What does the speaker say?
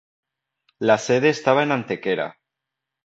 La sede estaba en Antequera.